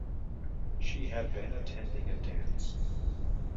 She had been attending a dance.